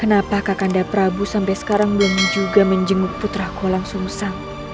kenapa kakanda prabu sampai sekarang belum juga menjemuk putraku langsung sang